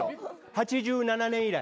８７年以来。